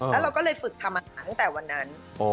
แล้วเราก็เลยฝึกทำอาหารตั้งแต่วันนั้น